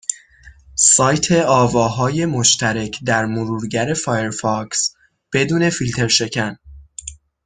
سایت آواهای مشترک در مرورگر فایرفاکس بدون فیلترشکن